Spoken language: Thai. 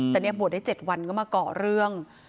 แต่บวชได้๗วันก็มาเกาะเรื่อง